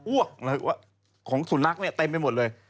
อ้วกของสุนักเพราะมันเต็มไปหมดเลย